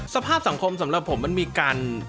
สภาพสังคมสำหรับผมมันมีการ